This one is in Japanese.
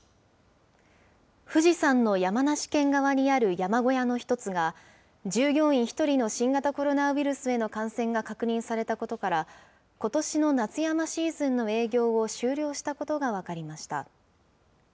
富士山の山梨県側にある山小屋の１つが、従業員１人の新型コロナウイルスへの感染が確認されたことから、ことしの夏山シーズンの営業を終了したことが分かりました。